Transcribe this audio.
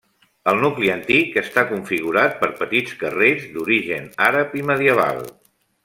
El nucli antic està configurat per petits carrers, d'origen àrab i medieval.